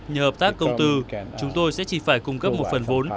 nhờ hợp tác công tư chúng tôi sẽ chỉ phải cung cấp một phần vốn